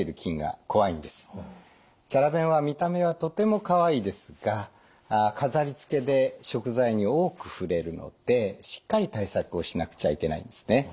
キャラ弁や見た目はとてもかわいいですが飾りつけで食材に多く触れるのでしっかり対策をしなくちゃいけないんですね。